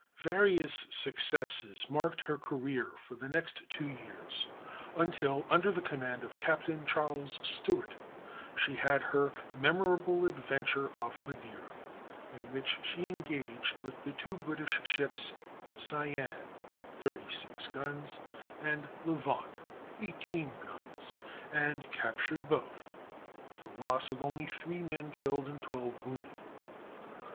] Various successes marked her career for the next two years, until, under the command of Captain Charles Stewart, she had her memorable adventure off Madeira, in which she engaged with the two British ships Cyane, thirty six guns, and Levant, eighteen guns, and captured both, with a loss of only three men killed and twelve wounded.